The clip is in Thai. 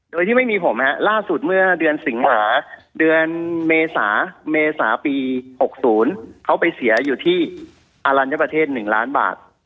โดยที่ไม่มีผมฮะล่าสุดเมื่อเดือนสิงหาเดือนเมษาเมษาปี๖๐เขาไปเสียอยู่ที่อรัญญประเทศ๑ล้านบาท